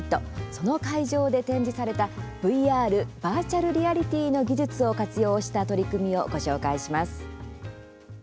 その会場で展示されたＶＲ、バーチャルリアリティーの技術を活用した取り組みをご紹介します。